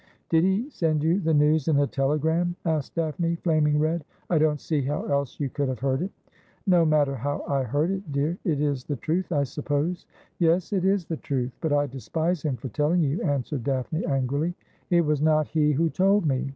' Did he send you the news in a telegram ?' asked Daphne, flaming red. ' I don't see how else you could have heard it.' ' No matter how I heard it, dear. It is the truth, I suppose.' ' Yes ; it is the truth. But I despise him for telling you,' answered Daphne angrily. ' It was not he who told me.